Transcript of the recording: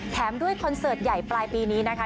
แถมด้วยคอนเสิร์ตใหญ่ปลายปีนี้นะคะ